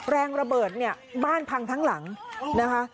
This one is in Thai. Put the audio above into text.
แรงระเบิดเนี่ยบ้านพังทั้งหลังนะคะ